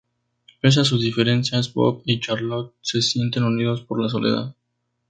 Pese a sus diferencias, Bob y Charlotte se sienten unidos por la soledad.